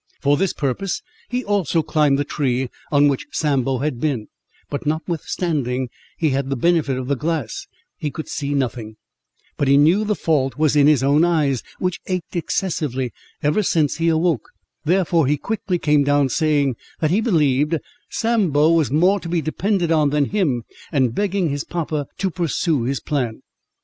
For this purpose he also climbed the tree on which Sambo had been; but notwithstanding he had the benefit of the glass, he could see nothing; but he knew the fault was in his own eyes, which ached excessively ever since he awoke; therefore he quickly came down, saying—"That he believed Sambo was more to be depended on than him, and begging his papa to pursue his plan."